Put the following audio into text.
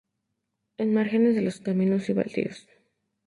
En márgenes de los caminos y baldíos.